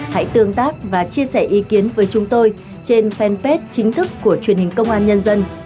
hãy tương tác và chia sẻ ý kiến với chúng tôi trên fanpage chính thức của truyền hình công an nhân dân